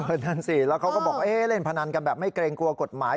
นั่นสิแล้วเขาก็บอกเล่นพนันกันแบบไม่เกรงกลัวกฎหมาย